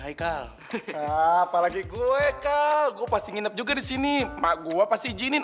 hai kalah apalagi gue kalah gue pasti nginap juga di sini mak gua pasti jinin